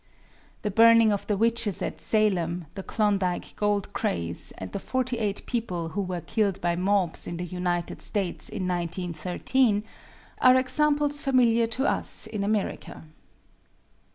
The burning of the witches at Salem, the Klondike gold craze, and the forty eight people who were killed by mobs in the United States in 1913, are examples familiar to us in America.